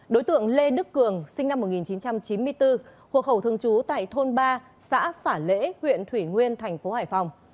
đối tượng lê đức cường sinh năm một nghìn chín trăm chín mươi bốn hộ khẩu thường trú tại thôn ba xã phả lễ huyện thủy nguyên tp hcm